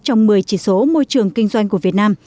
trong một mươi chỉ số môi trường kinh doanh của việt nam